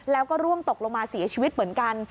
แล้วก็ร่วงตกลงมาเสียชีวิตเหมือนกัน